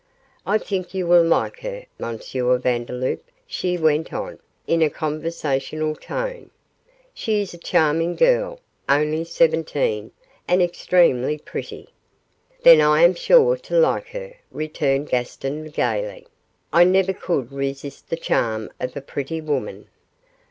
I think you will like her, M. Vandeloup,' she went on, in a conversational tone; 'she is a charming girl only seventeen, and extremely pretty.' 'Then I am sure to like her,' returned Gaston, gaily; 'I never could resist the charm of a pretty woman.